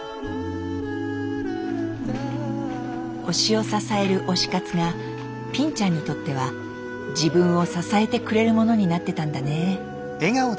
推しを支える「推し活」がぴんちゃんにとっては自分を支えてくれるものになってたんだね。